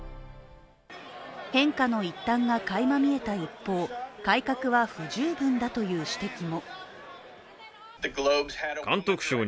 変化の一端がかいま見えた一方改革は不十分だという指摘も。